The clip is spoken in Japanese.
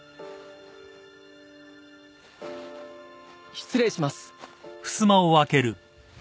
失礼します。